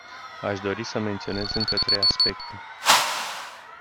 Aș dori să menționez încă trei aspecte.